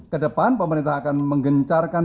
kedepan pemerintah akan menggencarkan